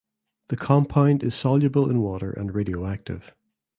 The compound is soluble in water and radioactive.